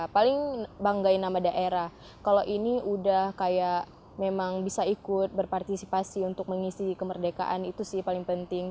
paling banggain sama daerah kalau ini udah kayak memang bisa ikut berpartisipasi untuk mengisi kemerdekaan itu sih paling penting